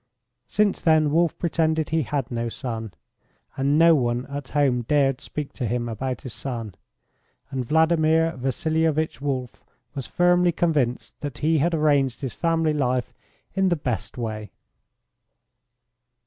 Since then Wolf pretended he had no son, and no one at home dared speak to him about his son, and Vladimir Vasilievitch Wolf was firmly convinced that he had arranged his family life in the best way.